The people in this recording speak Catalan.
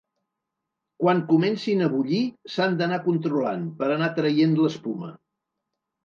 Quan comencin a bullir s’han d’anar controlant, per anar traient l’espuma.